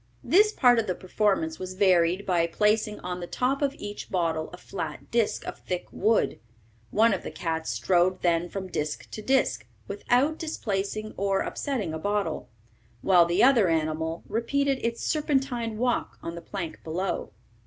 This part of the performance was varied by placing on the top of each bottle a flat disc of thick wood; one of the cats strode then from disc to disc, without displacing or upsetting a bottle, while the other animal repeated its serpentine walk on the plank below.